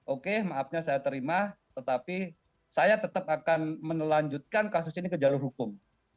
oke maafnya saya terima tetapi saya tetap akan melanjutkan kasus ini ke jalur hukum